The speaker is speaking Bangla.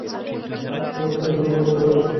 তার চোখ আর আমাকে তাড়া করবে না।